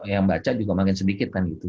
yang baca juga makin sedikit kan gitu